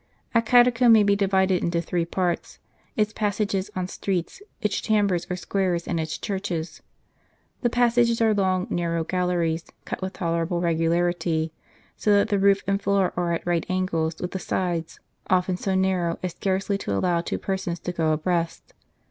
A catacomb may be divided into three parts, its passages or streets, its chambers or squares, and its churches. The passages are long, narrow galleries, cut with tolerable regu larity, so that the roof and floor are at right angles with the sides, often so narrow as scarcely to allow two persons to go abreast.